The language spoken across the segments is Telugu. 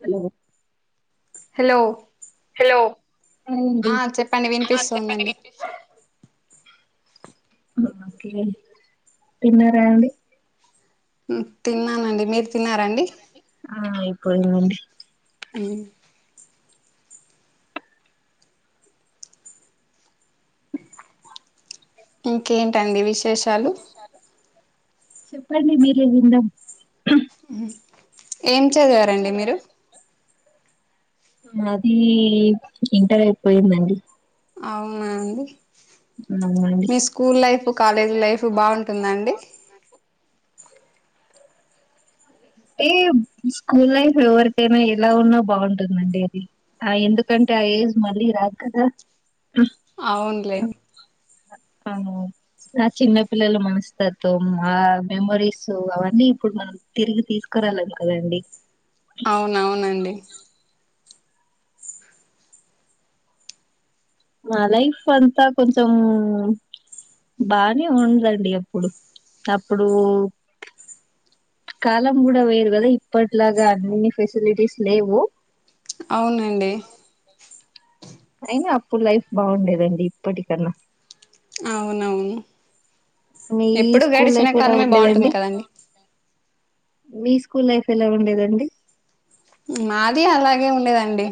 హలో హలో హలో ఆ చెప్పండి వినిపిస్తుందండి హ్మ్ ఓకే తిన్నారా అండి మ్మ్ తిన్నానండి మీర్ తిన్నారండి ఆ ఐకోయిందండి హ్మ్ [unintelligible] ఇంకేంటండి విశేషాలు చెప్పండి మీరే విందాం హ్మ్ ఏం చదివారండి మీరు నాది ఇంటర్ అయిపోయిందండి అవునా అండి అవునండి మీ స్కూల్ లైఫు కాలేజీ లైఫు బాగుంటుందా అండి ఏ స్కూల్ లైఫ్ ఎవరికైనా ఎలా ఉన్నా బాగుంటుందండి అది ఆ ఎందుకంటే ఆ ఏజ్ మళ్ళీ రాదు కదా అవ్న్లే అవును నా చిన్న పిల్లలు మనస్తత్వం ఆ మెమరీస్ అవన్నీ ఇప్పుడు మనం తిరిగి తీసుకురాలేం కదండి అవునవునండి మా లైఫ్ అంతా కొంచెం బానే ఉదండి అప్పుడు అప్పుడు కాలం కూడా వేరు కదా ఇప్పట్లాగా అన్ని ఫెసిలిటీస్ లేవు అవునండి అయినా అప్పుడు లైఫ్ బాగుండేదండి ఇప్పటికన్నా అవునవును మీ ఎప్పుడు స్కూల్ గడిచిన లైఫ్ ఎలా కాలమే బాగుంటుంది ఉండేదండి కదండి మీ స్కూల్ లైఫ్ ఎలా ఉండేదండి మాది అలాగే ఉండేదండి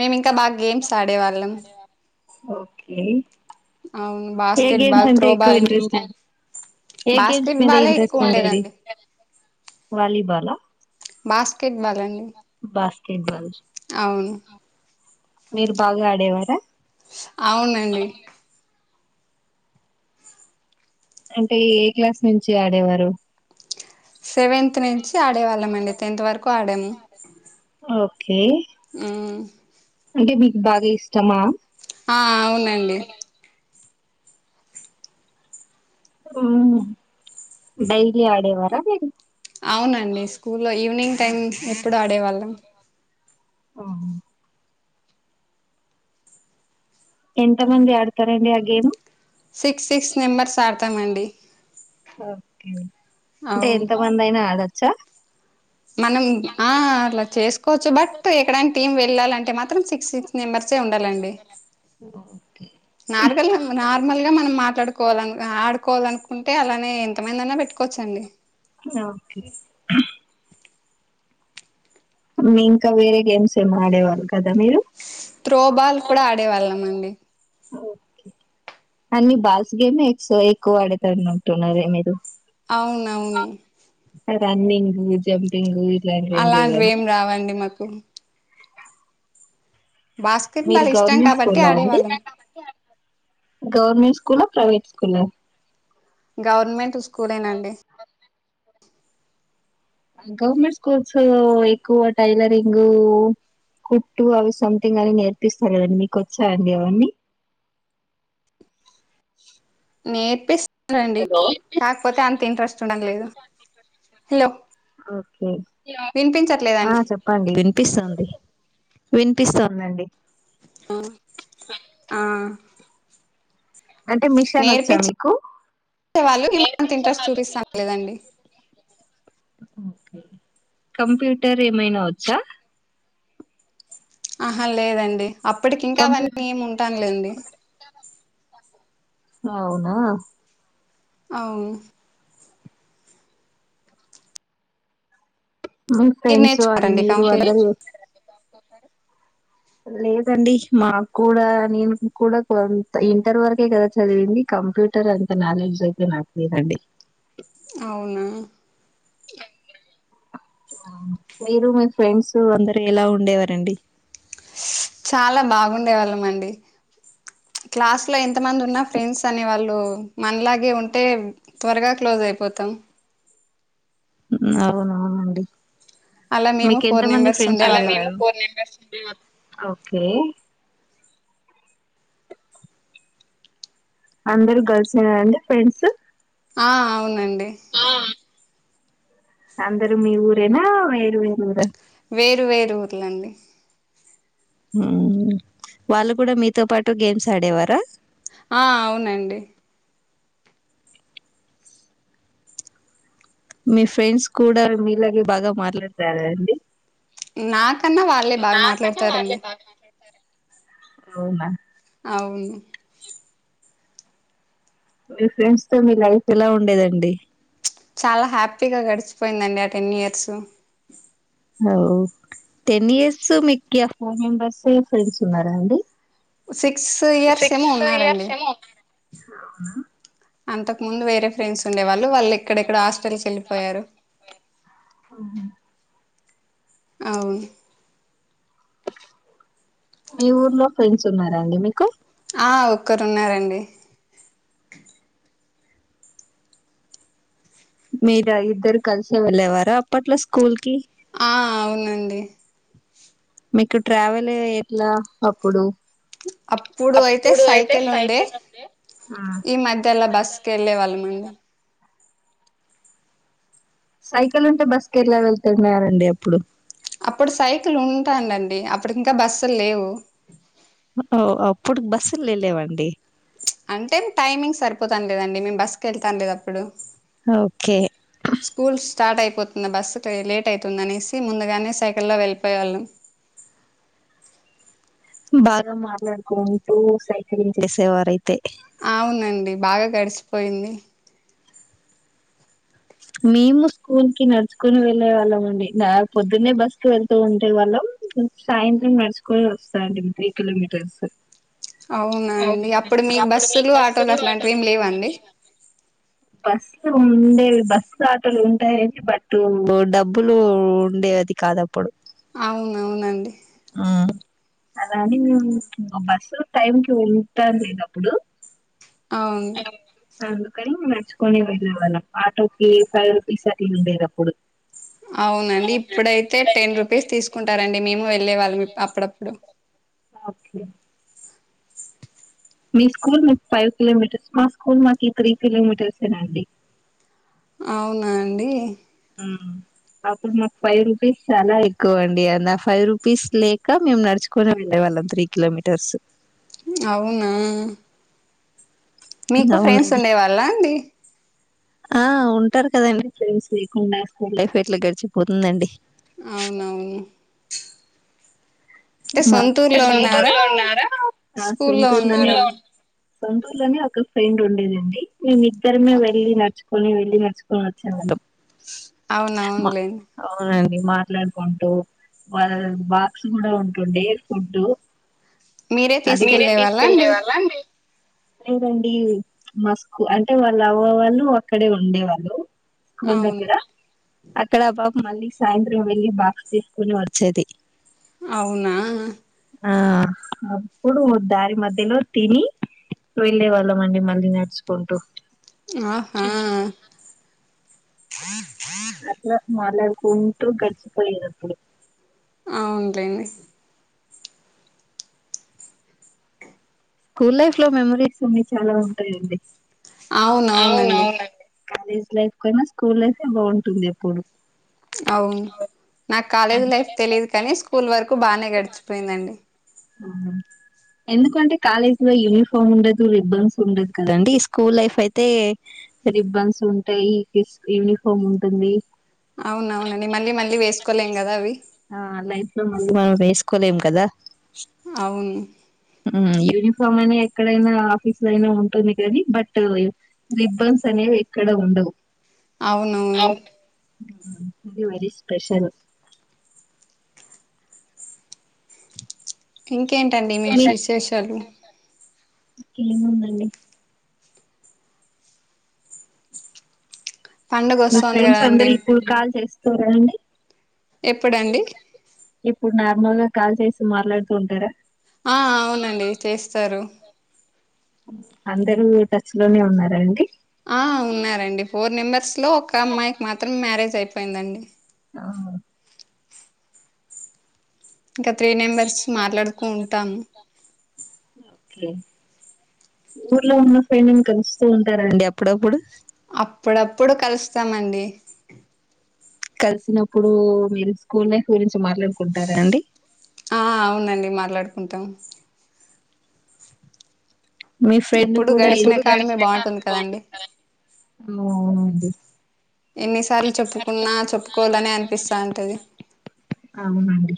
మేము ఇంకా బాగా గేమ్స్ ఆడేవాళ్ళం ఓకే అవును ఏ బాస్కెట్ గేమ్స్ బాల్ అంటే ఎక్కువ త్రోబాల్ ఇంట్రెస్ట్ ఏ గేమ్స్ బాస్కెట్ మీద బాలే ఇంట్రెస్ట్ ఎక్కువ ఉండేది ఉండేదండి వాలీబాల బాస్కెట్బాల్ అండి బాస్కెట్బల్ అవును మీరు బాగా ఆడేవారా అవునండి అంటే ఏ క్లాస్ నుంచి ఆడేవారు సెవెంతు నుంచి ఆడేవాళ్ళం అండి టెన్త్ వరకు ఆడాము ఓకే మ్మ్ అంటే మీకు బాగా ఇష్టమా ఆ అవునండి మ్మ్ డైలీ ఆడేవార అవునండి స్కూల్ లో ఈవినింగ్ టైం ఎప్పుడు ఆడేవాళ్ళం ఆఓ ఎంత మంది ఆడతారండి ఆ గేమ్ సిక్స్ సిక్స్ మెంబర్స్ ఆడతామండి ఓకే అంటే అవును ఎంత మంది అయినా ఆడ చ మనం ఆ అలా చేసుకోవచ్చు బట్ ఎక్కడైనా టీం వెళ్ళాలంటే మాత్రం సిక్స్ సిక్స్ మెంబర్సే ఉండాలండి ఓకే నార్గల్ నార్మల్ గా మనం మాట్లాడుకోవాల ఆడుకోవాలనుకుంటే అలా కానీ ఎంతమందైన పెట్టుకోవచ్చండి ఓకే మ్మ్ ఇంకా వేరే గేమ్స్ ఏం ఆడేవాళ్లు త్రోబాల్ కూడా ఆడేవాళ్ళం అండి అన్నీ బాల్స్ గేమె ఎచ్ ఎక్కువ ఆడేతన్నట్టు ఉన్నారే మీరు అవునవును రన్నింగు జంపింగు అలాంటివి ఏం రావండి మాకు బాస్కెట్ మీరు బాల్ ఇష్టం గవర్నమెంట్ కాబట్టి స్కూలా అండి ఆడేవాళ్ళం గవర్నమెంట్ స్కూల్ ఆ ప్రైవేట్ స్కూల్ ఆ గవర్నమెంటు స్కూలేనండి గవర్నమెంట్ స్కూల్స్ ఎక్కువ టైలరింగు కుట్టు అవి సమ్థింగ్ అని నేర్పిస్తారు కదండి మీకు వచ్చా అండి అవన్నీ నేర్పిస్ హలో ఉండడం లేదు హలో ఓకే ఆ వినిపించట్లేదండి చెప్పండి వినిపిస్తోంది. వినిపిస్తోందండి. ఆ ఆ అంటే మిషన్ వచ్చా మీకు నేర్పిచ్చే వాళ్ళు మేము అంత ఇంట్రెస్ట్ చూపిస్తాండ్లేదండి కంప్యూటర్ ఏమైనా వచ్చా ఆహా లేదండి. అప్పటికి ఇంకా కంప్యూట్ అవన్నీ ఏమి ఉంటానులేండి అవునా అవును మీ మీరు ఫ్రెండ్స్ అ నేర్చుకున్నారండి మీరు కంప్యూటర్ అందరు లేదండి మాకు కూడా నేను కూడా కొంత ఇంటర్ వరకే కదా చదివింది కంప్యూటర్ అంత నాలెడ్జ్ అయితే నాకు లేదండి. అవునా మీరు మీ ఫ్రెండ్స్ అందరు ఎలా ఉండేవారండి చాలా బాగుండేవాళ్ళం అండి క్లాస్లో ఎంతమంది ఉన్న ఫ్రెండ్స్ అనే వాళ్ళు మనలాగే ఉంటే త్వరగా క్లోజ్ అయిపోతాం. హ్మ్ అవునవును అండి. అలా మేము మీకు ఎంత ఫోర్ మంది మెంబెర్స్ ఫ్రెండ్స్ ఉండేవాళ్ళం ఉండేవారు కే అందరు గర్ల్స్ ఏ నా అండి ఫ్రెండ్సు ఆ అవున ఆ అందరు మీ ఊరేనా వేరు వేరు ఊరా వేరు వేరు ఊర్లండి. హ్మ్ వాళ్ళు కూడా మీతో పాటు గేమ్స్ ఆడేవారా ఆ అవునండి మీ ఫ్రెండ్స్ కూడా మీలాగే బాగా మాట్లాడతారా అండి. నాకన్నా వాళ్ళే బాగా మాట్లాడతారండి. అవునా అవును మీ ఫ్రెండ్స్ తో మీ లైఫ్ ఎలా ఉండేదండి చాలా హ్యాపీగా గడిచిపోయిందండి ఆ టెన్ ఇయర్సు ఓ టెన్ ఇయర్సు మీకు ఆ ఫోర్ మెంబర్సె ఫ్రెండ్స్ ఉన్నారా అండి సిక్స్ ఇయర్స్ ఏమో ఉన్నారండి. అవునా అంతకు ముందు వేరే ఫ్రెండ్స్ ఉండే వాళ్ళు వాళ్ళు ఎక్కడెక్కడ హాస్టల్కి వెళ్ళిపోయారు. ఆహా. అవును మీ ఊర్లో ఫ్రెండ్స్ ఉన్నారా అండి మీకు ఆ ఒక్కరున్నారండి మీరు ఇద్దరు కలిసే వెళ్ళేవార అప్పట్లో స్కూల్ కి ఆ అవునండి మీకు ట్రావెల్ ఎట్లా అప్పుడు అప్పుడు అయితే సైకిల్ ఉండే ఆ. ఈ మధ్యలా బస్కి వెళ్ళే వాళ్ళం అండి సైకిల్ ఉంటే బస్ కి ఎలా వెళ్తున్నరాండి అప్పుడు అప్పుడు సైకిల్ ఉంటాండండి అప్పుడు ఇంకా బస్సులు లేవు లేవండి అంటే టైమింగ్ సరిపోతాను లేదండి మేము బస్సు కి వెళ్తాను లేదు అప్పుడు ఓకే స్కూల్ స్టార్ట్ అయిపోతుంది బస్సు లేట్ అవుతుందినేసి ముందుగానే సైకిల్లో వెళ్ళిపోయవాళ్ళము బాగా మాట్లాడుకుంటూ సైక్లింగ్ చేసేవారే అవునండి బాగా గడిసి పోయింది మేము స్కూల్ కి నడుచుకొని వెళ్ళే వాళ్ళం అండి నా పొద్దున్నే బస్ కి వెళ్తూ ఉంటే వాళ్ళం సాయంత్రం నడుచుకొని వస్తాండి త్రీ కిలోమీటర్స్ అవునండి అప్పుడు మీకు బస్సులు ఆటోలు అట్లాంటివిమి లేవండి బస్సు ఉండే బస్సు ఆటోలు ఉంటాయండి బట్ డబ్బులు ఉండే అది కాదు అప్పుడు అవునవునండి అలాని మేం బస్సు టైం కి వెళ్తా లేనప్పుడు ఆ ఉంది. అందుకని నడుచుకొని వెళ్ళేవాళ్ళం. ఆటో ఏ ఫైవ్ రూపీస్ అట్లా ఉండేది. అప్పుడు అవునండి. ఇప్పుడైతే టెన్ రూపీస్ తీసుకుంటారండి. మేము వెళ్ళే వాళ్ళం అప్పుడప్పుడు. మ్ మీ స్కూల్ మీకు ఫైవ్ కిలోమీటర్స్. మా స్కూల్ మాకి త్రీ కిలోమీటర్సెనండి. అవునా అండి. అప్పుడు మాకు ఫైవ్ రూపీస్ చాలా ఎక్కువ అండి. అ ఆ ఫైవ్ రూపీస్ లేక మేము నడుచుకొని వెళ్ళే వాళ్ళం త్రి కిలోమీటర్స్. అవునా. మీకు ఫ్రెండ్స్ అవునండి ఉండే వాళ్ళ అండి ఆ ఉంటారు కదండి ఫ్రెండ్స్ లేకుండా లైఫ్ ఎట్లా గడిచిపోతుందండి అవునవును అంటే మా సొంతూరులో సొంతూరు ఉన్నారా లో ఉన్నారా స్కూల్లో సొంతూరు ఉన్నారా లో సొంతూరులోనే ఒక ఫ్రెండ్ ఉండేదండి మేమిద్దరమే వెళ్ళినడు కొని వెళ్ళి నేర్చుకొని వచ్చాను అవునవునులేండి అవునండి మాట్లాడుకుంటూ వాళ్ళది బాక్స్ కూడా ఉ ఉండేది ఫుడ్ మీరే తీసుకెళ్ళే వాళ్ళ అండి లేదండీ మస్కు అంటే వాళ్ళ అవ్వ వాళ్ళు అక్కడే ఉండేవాళ్ళూ. అవును అక్కడా పబ్ మళ్ళీ సాయంత్రం వెళ్ళి బాక్స్ తీసుకొని వచ్చేది. అవునా ఆ అప్పుడు దారి మధ్యలో తినీ, వెళ్ళే వాళ్ళం అండి మళ్ళీ నడుచుకుంటూ. ఆహా [inaudible] అట్లా మాట్లాడుకుంటూ గడిచిపోయేదప్పుడు. అవున్లేండి. స్కూల్ లైఫ్ లో మెమరీస్ అన్ని చాలా ఉంటయి లెండి. అవునవునండి. కాలేజ్ లైఫ్ కన్నా స్కూల్ లైఫే బాగుంటుంది ఎప్పుడూ. అవు నాక్ కాలేజ్ లైఫ్ తెలీదు కానీ, స్కూల్ వరకు బాగనే గడిచిపోయిందండి. ఎందుకంటే కాలేజ్ లో యూనిఫామ్ ఉండదు, రిబ్బన్స్ ఉండదు కదండి. స్కూల్ లైఫ్ అయితే రిబ్బన్స్ ఉంటయీ, యూనిఫామ్ ఉంటుంది. అవున్ అవునండి మళ్ళీ మళ్ళీ వేస్ ఆ లైఫ్ లో మళ్ళీ మనం వేసుకో లేం కదా. అవును ఊ యూనిఫ్ ఫామ్ అనేద్ ఎక్కడైనా ఆఫీస్ లో అయినా ఉంటుంది కానీ, బట్టు రిబ్బన్స్ అనేవి ఎక్కడ ఉండవు. అవునువును. అది మరి స్పెషల్. ఇంక్ కేంటండి మీ విశేష్ విశేషాలు. కేముందండి. పండుగ మీ వస్తోంది ఫ్రెండ్స్ కదండి అందరు ఇప్పుడు కాల్ చేస్ [unintelligible] అండి. ఎప్పుడండి. ఇప్పుడు నార్మల్ గా కాల్ చేసి మాట్లాడుతూ ఉంటారా. ఆ అవునండి చేస్తారు. అందరూ టచ్ లోనే ఉన్నారండి. ఆ ఉన్నారండి ఫోర్ మెంబెర్స్ లో ఒక్క అమ్మాయికి మాత్రం మ్యారేజ్ అయి పోయిందండి. ఆ ఇంకా త్రీ నెంబర్స్ మాట్లాడుకూ ఉంటాం. ఊర్లో ఉన్నప్పు మేం కలుస్తూ ఉంటారండి అప్పుడప్పుడు అప్పుడప్పుడు కలుస్తామండి కలిసినప్పుడు మీరు స్కూల్ మాట్లాడుకుంటారా అండి ఉంటాం మీ ఫ్రెండ్ ఎప్పుడు కూడా గడిచిన ఎప్పుడుాగు కాలమే బాగుంటుంది కదండి అవునండి ఎన్నిసార్లు చెప్పుకున్నా చెప్పుకోవాలనే అనిపిస్తా ఉంటది అవునండి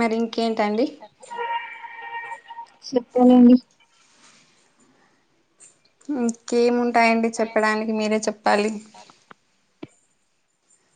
మరి ఇంకేంటండి చెప్పానండి [unintelligible] ఉంటాయండి చెప్పడానికి మీరే చెప్పాలి